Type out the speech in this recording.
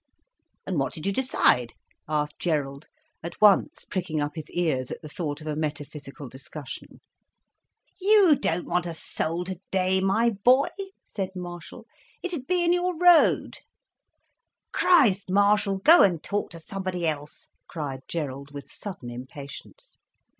"And what did you decide?" asked Gerald, at once pricking up his ears at the thought of a metaphysical discussion. "You don't want a soul today, my boy," said Marshall. "It'd be in your road." "Christ! Marshall, go and talk to somebody else," cried Gerald, with sudden impatience.